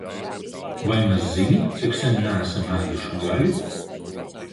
Vai maz zini, cik sen neesam ēduši gaļu?